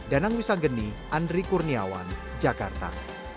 danang wisanggeni andri kurniawan jakarta